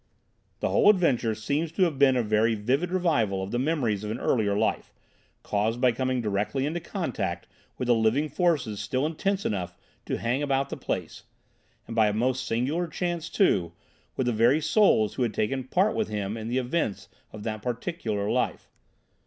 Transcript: "The whole adventure seems to have been a very vivid revival of the memories of an earlier life, caused by coming directly into contact with the living forces still intense enough to hang about the place, and, by a most singular chance, too, with the very souls who had taken part with him in the events of that particular life.